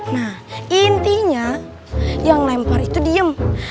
nah intinya yang lempar itu diem